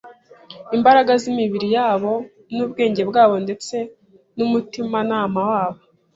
imbaraga z’imibiri yabo n’ubwenge bwabo ndetse n’umutimanama wabo